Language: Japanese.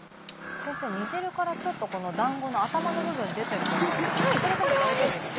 先生煮汁からちょっとこのだんごの頭の部分出てると思うんですけどそれでも大丈夫ですか？